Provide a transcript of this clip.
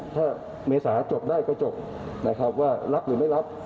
ถ้าเมษาจบได้ก็จบนะครับว่ารับหรือไม่รับ